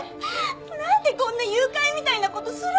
なんでこんな誘拐みたいな事するの？